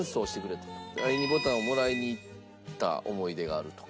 第２ボタンをもらいに行った思い出があるとか。